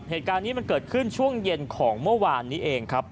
เหตุการณ์นี้มันเกิดขึ้นช่วงเย็นของเมื่อวานนี้เองครับ